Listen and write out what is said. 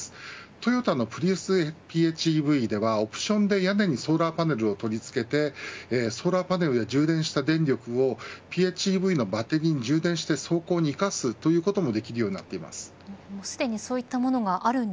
データのプリウスＰＨＥＶではオプションで屋根にソーラーパネルを取り付けてソーラーパネルで充電した電力をＰＨＥＶバッテリに充電して走行に生かすことができます。